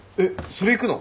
それ行くの？